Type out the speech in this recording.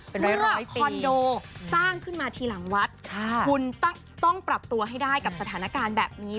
เพราะว่าคอนโดสร้างขึ้นมาทีหลังวัดคุณต้องปรับตัวให้ได้กับสถานการณ์แบบนี้